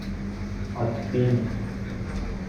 آتبین